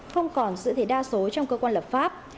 không còn giữ thể đa số trong cơ quan lập pháp